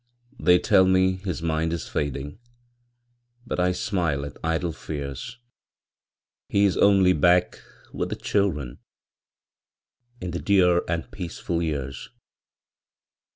They tell me his mind is failing, But I smile at idle fears; He is only back with the children, In the dear and peaceful years.